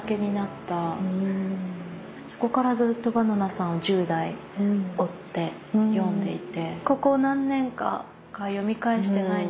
そこからずっとばななさんを１０代追って読んでいてここ何年か読み返してないんですけど。